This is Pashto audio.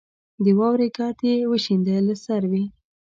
د واورې ګرد یې وشینده له سروې